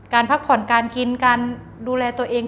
พักผ่อนการกินการดูแลตัวเอง